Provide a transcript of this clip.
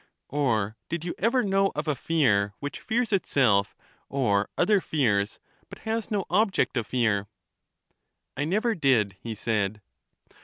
Or did you ever know of a fear which fears itself or other fears, but has no object of fear? I never did, he said.